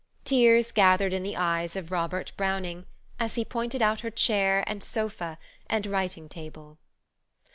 Tears gathered in the eyes of Robert Browning, as he pointed out her chair, and sofa, and writing table.